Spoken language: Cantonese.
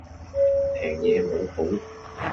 平嘢冇好